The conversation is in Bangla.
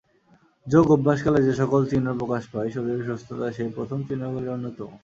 যোগ-অভ্যাসকালে যে-সকল চিহ্ন প্রকাশ পায়, শরীরের সুস্থতা সেই প্রথম চিহ্নগুলির অন্যতম।